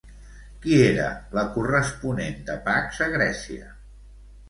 Qui era la corresponent de Pax a Grècia?